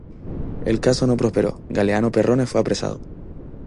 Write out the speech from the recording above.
El caso no prosperó, Galeano Perrone fue apresado.